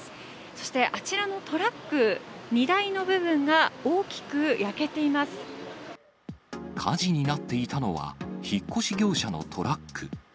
そして、あちらのトラック、火事になっていたのは、引っ越し業者のトラック。